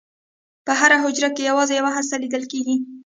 په هره حجره کې یوازې یوه هسته لیدل کېږي.